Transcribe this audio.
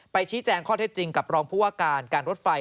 ชี้แจงข้อเท็จจริงกับรองผู้ว่าการการรถไฟ